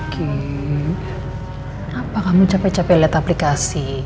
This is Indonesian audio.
kenapa kamu capek capek lihat aplikasi